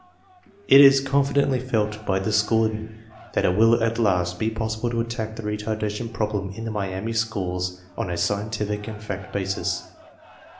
It is confidently felt by the school administration that it will at last be possible to attack the retardation problem in the Miami schools on a scientific and fact basis.